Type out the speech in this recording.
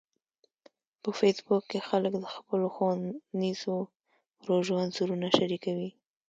په فېسبوک کې خلک د خپلو ښوونیزو پروژو انځورونه شریکوي